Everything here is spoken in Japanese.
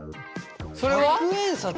それは？